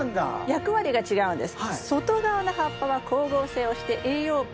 役割が違うんです。